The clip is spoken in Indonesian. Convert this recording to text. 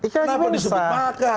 kenapa disebut pakar